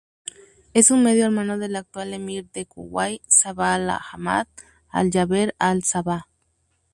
Es un medio hermano del actual emir de Kuwait, Sabah Al-Ahmad Al-Yaber Al-Sabah.